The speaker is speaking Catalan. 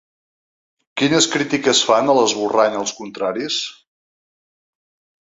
Quines crítiques fan a l’esborrany, els contraris?